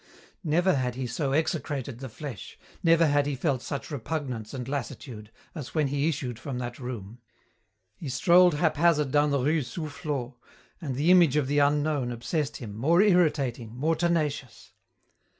Never had he so execrated the flesh, never had he felt such repugnance and lassitude, as when he issued from that room. He strolled haphazard down the rue Soufflot, and the image of the unknown obsessed him, more irritating, more tenacious.